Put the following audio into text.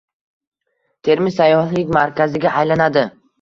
Termiz sayyohlik markaziga aylanadi